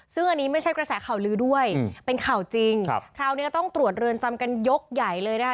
ซึ่งอันนี้ไม่ใช่กระแสข่าวลือด้วยเป็นข่าวจริงคราวนี้ก็ต้องตรวจเรือนจำกันยกใหญ่เลยนะคะ